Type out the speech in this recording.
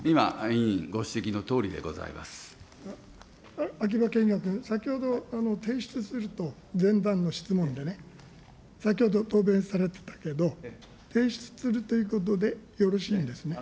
今、委員、秋葉賢也君、先ほど提出すると前段の質問でね、先ほど答弁されてたけど、提出するということでよろしいんですね。